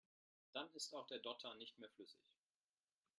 Dann ist auch der Dotter nicht mehr flüssig.